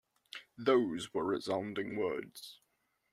Those were resounding words.